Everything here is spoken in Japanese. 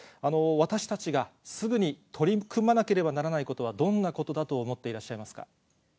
私たちがすぐに取り組まなければならないことは、どんなことだと思っていらっしゃいますか？